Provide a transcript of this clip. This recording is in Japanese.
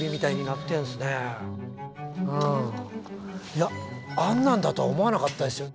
いやあんなんだとは思わなかったですよ。